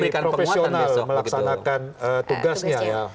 polri pasti profesional melaksanakan tugasnya ya